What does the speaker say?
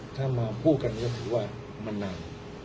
ถ้ามาพูดกันก็ถือว่ามันนาน